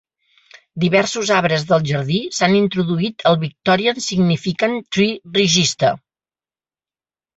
Diversos arbres del jardí s'han introduït al Victorian Significant Tree Register.